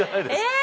え。